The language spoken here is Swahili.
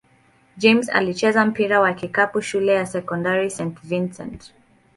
James alicheza mpira wa kikapu shule ya sekondari St. Vincent-St.